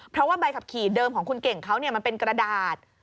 เพราะว่าใบขับขี่เดิมของคุณเก่งเขามันเป็นกระดาษ